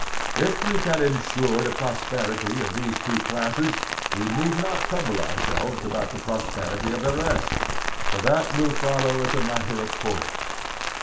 If we can insure the prosperity of these two classes we need not trouble oiirselves The Two Americas 229 about the prosperity of the rest, for that will follow as a matter of course.